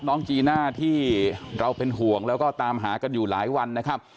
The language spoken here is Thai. น้องจีน่าที่เราเป็นห่วงแล้วก็ตามหากันอยู่หลายวันนะครับ